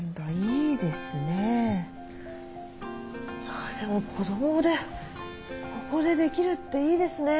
いやでも子供でここでできるっていいですね。